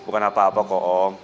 bukan apa apa kok om